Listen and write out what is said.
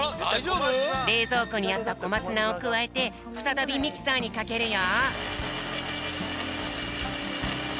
れいぞうこにあったこまつなをくわえてふたたびミキサーにかけるよ。